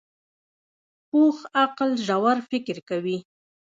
پوخ عقل ژور فکر کوي